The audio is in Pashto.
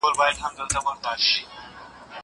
زه پرون د کتابتوننۍ سره مرسته کوم!؟